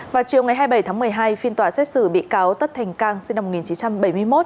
vào chiều ngày hai mươi bảy tháng một mươi hai phiên tòa xét xử bị cáo tất thành cang sinh năm một nghìn chín trăm bảy mươi một